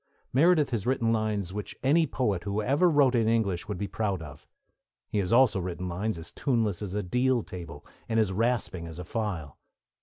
Meredith has written lines which any poet who ever wrote in English would be proud of; he has also written lines as tuneless as a deal table and as rasping as a file.